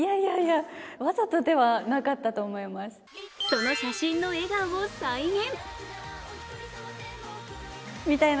その写真の笑顔を再現。